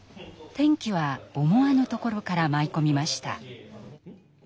転機は思わぬところから舞い込みました。